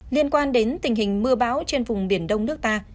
liên quan đến tình hình mưa bão trên vùng biển đông nước ta